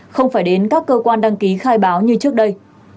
không phải đến các cơ quan đăng ký khai báo như trước đây